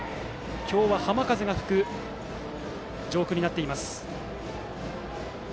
今日は浜風が吹く上空になっています。